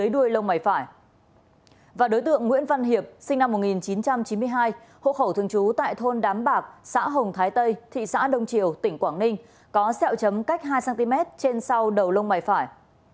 đối tượng nguyễn văn hiệp sinh năm một nghìn chín trăm chín mươi hai hộ khẩu thường trú tại thôn đám bạc xã hồng thái tây thị xã đông triều tỉnh quảng ninh có xeo chấm cách hai cm trên sau đầu lông mày phải